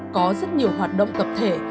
có rất nhiều hoạt động tập thể